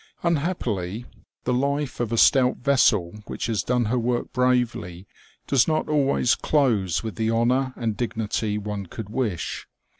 Unhappily, the life of a stout vessel which has done her work bravely does not always close with the honour and dignity one could wish.